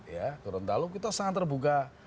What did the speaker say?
ya gorontalo kita sangat terbuka